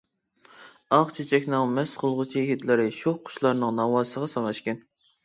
ئاق چېچەكنىڭ مەست قىلغۇچى ھىدلىرى، شوخ قۇشلارنىڭ ناۋاسىغا سىڭىشكەن.